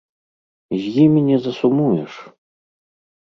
З імі не засумуеш!